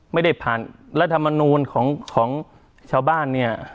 ไม่ได้ผ่านรัฐมนูลของชาวบ้านเนี่ย